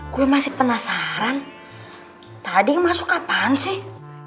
gue masih penasaran tadi masuk kapan sih